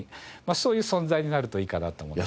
そういう存在になるといいかなと思ってます。